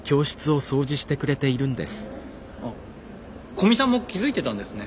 古見さんも気付いてたんですね。